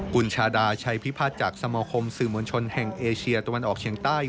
คุณชาดาชัยพิพัฒน์จากสมาคมสื่อมวลชนแห่งเอเชียตะวันออกเฉียงใต้